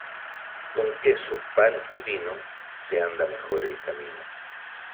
Con queso, pan y vino, se anda mejor el camino.